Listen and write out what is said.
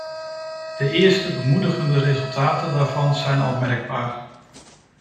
De eerste bemoedigende resultaten daarvan zijn al merkbaar.